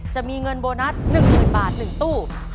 จะมีเงินโบนัส๑๐๐๐บาท๑ตู้